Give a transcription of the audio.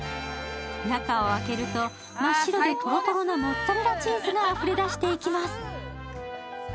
中を開けると、真っ白でトロトロなモッツァレラチーズがあふれ出していきます。